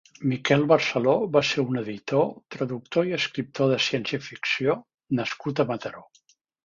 Miquel Barceló va ser un editor, traductor i escriptor de ciència-ficció nascut a Mataró.